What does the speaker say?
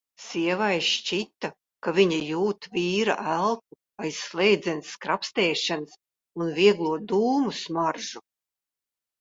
Sievai šķita, ka viņa jūt vīra elpu aiz slēdzenes skrapstēšanas un vieglo dūmu smaržu.